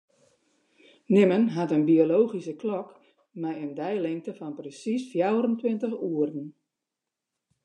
Nimmen hat in biologyske klok mei in deilingte fan persiis fjouwerentweintich oeren.